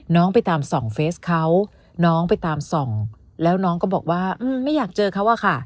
ไปตามส่องเฟสเขาน้องไปตามส่องแล้วน้องก็บอกว่าไม่อยากเจอเขาอะค่ะ